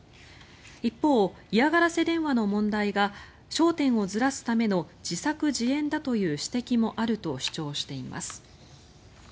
一方、嫌がらせ電話の問題が焦点をずらすための自作自演だという指摘もあると主張しています。